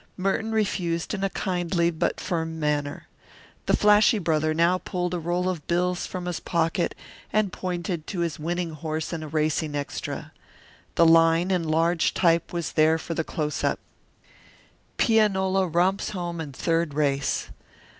Merton refused in a kindly but firm manner. The flashy brother now pulled a roll of bills from his pocket and pointed to his winning horse in a racing extra. The line in large type was there for the close up "Pianola Romps Home in Third Race."